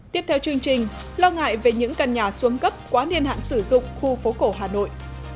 tiếp theo chương trình lo ngại về những căn nhà xuống cấp quá niên hạn sử dụng khu phố cổ hà nội